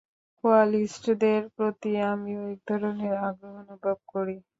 কোয়ালিস্টদের প্রতি আমিও এক ধরনের আগ্রহ অনুভব করি।